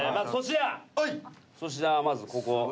粗品はまずここ。